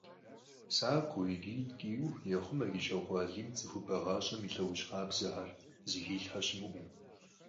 Сакъыу икӀи ткӀийуэ ехъумэ КӀыщокъуэ Алим цӀыхубэ гъащӀэм и лӀэужь къабзэхэр, зыхилъхьэ щымыӀэу.